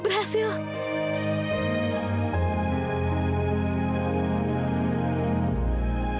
sekarang sudah datang pak prabu